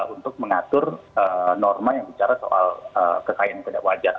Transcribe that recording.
untuk mengatur norma yang bicara soal kekayaannya tidak wajar